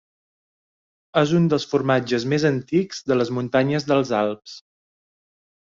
És un dels formatges més antics de les muntanyes dels Alps.